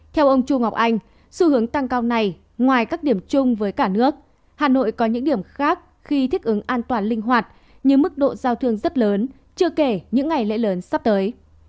theo ông chu ngọc anh xu hướng tăng cao này ngoài các điểm chung với cả nước hà nội có những điểm khác khi thích ứng an toàn linh hoạt như mức độ giao thương rất lớn chưa kể những ngày lễ lớn sắp tới